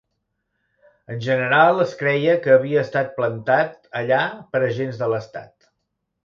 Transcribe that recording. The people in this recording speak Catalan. En general es creia que havia estat plantat allà per agents de l'Estat.